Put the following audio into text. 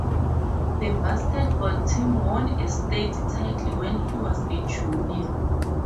The basketball team won a state title when he was a junior.